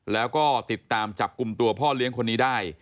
แล้วก็ติดตามจับกลุ่มตัวพ่อเลี้ยงคนนี้ได้